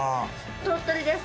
鳥取です。